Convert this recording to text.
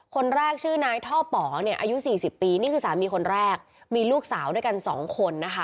คนแรกชื่อนายท่อป๋อเนี่ยอายุสี่สิบปีนี่คือสามีคนแรกมีลูกสาวด้วยกันสองคนนะคะ